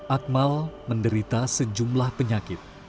akmal menderita sejumlah penyakit